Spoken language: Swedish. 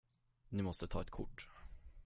Ni måste ta ett kort.